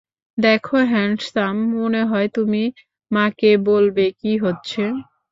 দেখো, হ্যান্ডসাম, মনে হয় তুমি মাকে বলবে কি হচ্ছে।